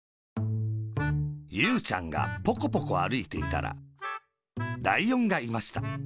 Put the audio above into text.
ゆうちゃんがポコポコあるいていたら、ライオンがいました。